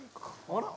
あら？